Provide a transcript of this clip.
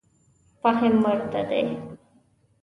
فهم ورته دی.